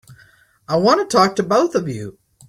I want to talk to both of you.